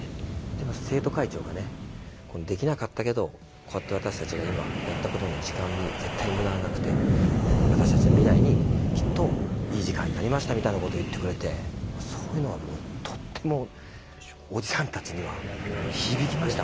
でも生徒会長がねできなかったけどこうやって私たちが今やったことの時間に絶対無駄はなくて私たちの未来にきっといい時間になりましたみたいなことを言ってくれてそういうのはもうとってもおじさんたちには響きましたほんとに。